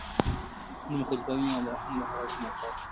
نه مو خلیفه ویني او نه د هغه کوم عسکر.